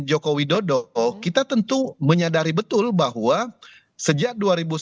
joko widodo kita tentu menyadari betul bahwa sejak dua ribu sembilan belas